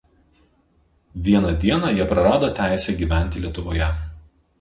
Vieną dieną jie prarado teisę gyventi Lietuvoje.